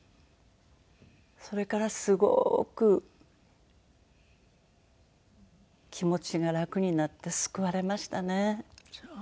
それからすごく気持ちが楽になって救われましたね。